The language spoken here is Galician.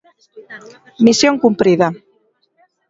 Misión cumprida.